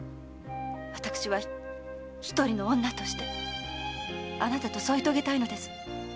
私はひとりの女としてあなたと添い遂げたいのです。